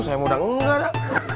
saya mudah nge ngerak